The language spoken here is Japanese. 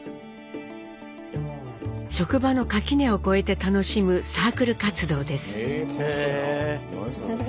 職場の垣根を越えて楽しむサークル活動です。